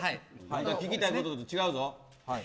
聞きたいことと違うぞ！